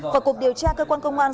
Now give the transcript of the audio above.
vào cuộc điều tra cơ quan công an